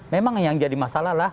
memang yang jadi masalah adalah